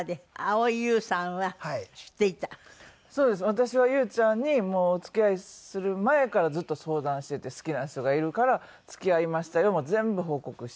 私は優ちゃんにもうお付き合いする前からずっと相談していて「好きな人がいるから付き合いましたよ」も全部報告していて。